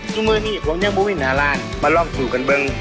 ซึ่งมือนี้พอเนื่องบุหรินาลานมาลองสู่กันเบิ้ง